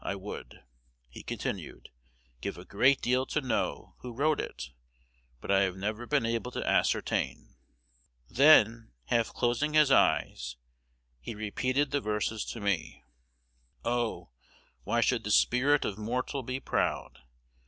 I would,' he continued, 'give a great deal to know who wrote it; but I have never been able to ascertain.' "Then, half closing his eyes, he repeated the verses to me: "'Oh! why should the spirit of mortal be proud?